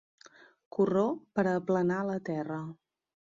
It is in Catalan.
Corró per a aplanar la terra.